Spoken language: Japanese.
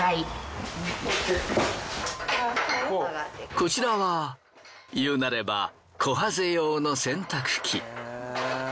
こちらは言うなればこはぜ用の洗濯機。